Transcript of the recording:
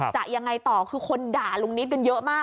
จะยังไงต่อคือคนด่าลุงนิดกันเยอะมาก